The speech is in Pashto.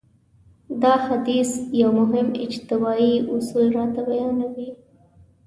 دا حديث يو مهم اجتماعي اصول راته بيانوي.